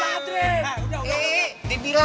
eh dibilangin kok ngelompoknya begitu